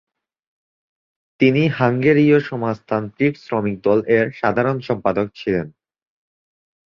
তিনি হাঙ্গেরীয় সমাজতান্ত্রিক শ্রমিক দল এর সাধারণ সম্পাদক ছিলেন।